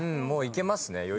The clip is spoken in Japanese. もういけますね。